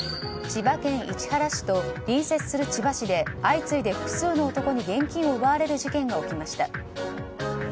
千葉県市原市と隣接する千葉市で相次いで複数の男に現金を奪われる事件が起きました。